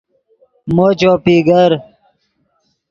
مو چوپی گر